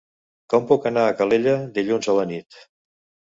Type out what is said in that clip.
Com puc anar a Calella dilluns a la nit?